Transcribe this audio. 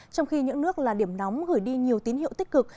trong khi những nước là điểm nóng gửi đi nhiều tín hiệu tích cực